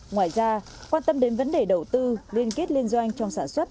ngoài ra quan tâm đến vấn đề đầu tư liên kết liên doanh trong sản xuất